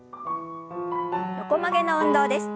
横曲げの運動です。